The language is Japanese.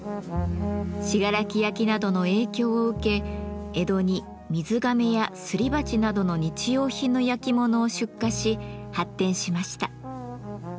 信楽焼などの影響を受け江戸に水がめやすり鉢などの日用品の焼き物を出荷し発展しました。